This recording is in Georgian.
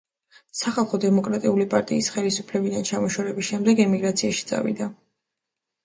სახალხო დემოკრატიული პარტიის ხელისუფლებიდან ჩამოშორების შემდეგ ემიგრაციაში წავიდა.